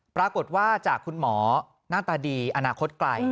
ปรากฏว่าจากคุณหมอหน้าตาดีอนาคตไกล